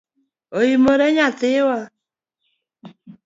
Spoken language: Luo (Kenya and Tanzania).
Oimore nyathiwa?